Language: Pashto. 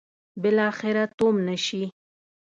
بالاخره تومنه شي.